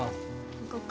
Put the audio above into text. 行こっか。